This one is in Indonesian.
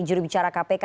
juri bicara kpk